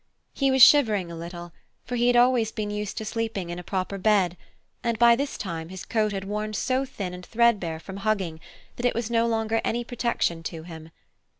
He was shivering a little, for he had always been used to sleeping in a proper bed, and by this time his coat had worn so thin and threadbare from hugging that it was no longer any protection to him.